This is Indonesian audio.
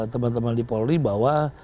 teman teman di polri bahwa